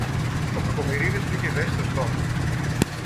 ο Κακομοιρίδης του είχε δέσει το στόμα